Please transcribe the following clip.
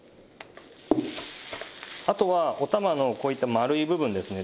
あとはお玉のこういった丸い部分ですね